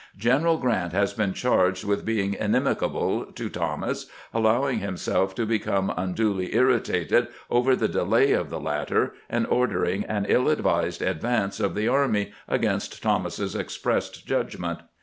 General Grant has been charged with be ing inimical to Thomas, allowing himself to become un duly irritated over the delay of the latter, and ordering an iU advised advance of the army, against Thomas's expressed judgment.